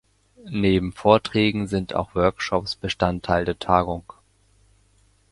Neben Vorträgen sind auch Workshops Bestandteil der Tagung.